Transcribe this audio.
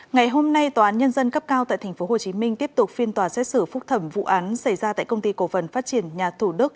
ngày hôm nay tòa án nhân dân cấp cao tại tp hcm tiếp tục phiên tòa xét xử phúc thẩm vụ án xảy ra tại công ty cổ phần phát triển nhà thủ đức